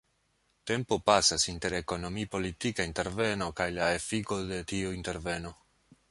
Tempo pasas inter ekonomi-politika interveno kaj la efiko de tiu interveno.